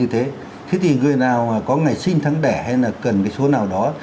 thế thì người nào có ngày sinh thắng đẻ hay là cần cái số nào đó